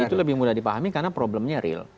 dan itu lebih mudah dipahami karena problemnya real